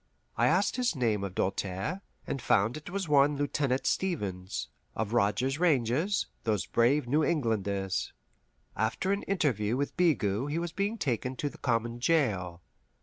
I asked his name of Doltaire, and found it was one Lieutenant Stevens, of Rogers' Rangers, those brave New Englanders. After an interview with Bigot he was being taken to the common jail.